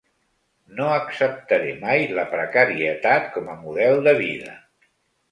No acceptaré mai la precarietat com a model de vida.